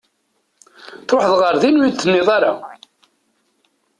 Tṛuḥeḍ ɣer din ur iyi-d-tenniḍ ara!